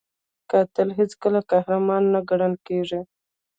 قاتل هیڅکله قهرمان نه ګڼل کېږي